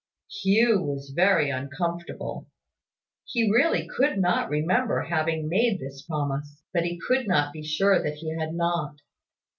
Hugh was very uncomfortable. He really could not remember having made this promise: but he could not be sure that he had not.